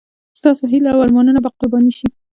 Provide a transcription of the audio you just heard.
ستاسو هیلې او ارمانونه به قرباني شي.